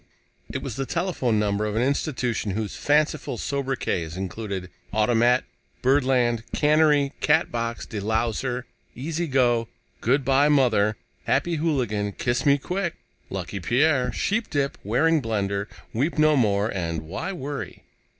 It was the telephone number of an institution whose fanciful sobriquets included: "Automat," "Birdland," "Cannery," "Catbox," "De louser," "Easy go," "Good by, Mother," "Happy Hooligan," "Kiss me quick," "Lucky Pierre," "Sheepdip," "Waring Blendor," "Weep no more" and "Why Worry?"